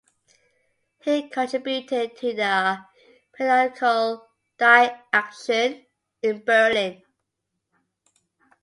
He contributed to the periodical "Die Aktion" in Berlin.